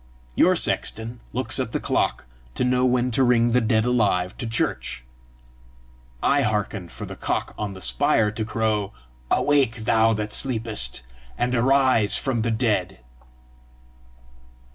Your sexton looks at the clock to know when to ring the dead alive to church; I hearken for the cock on the spire to crow; 'AWAKE, THOU THAT SLEEPEST, AND ARISE FROM THE DEAD!